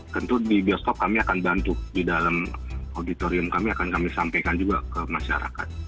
tentu di bioskop kami akan bantu di dalam auditorium kami akan kami sampaikan juga ke masyarakat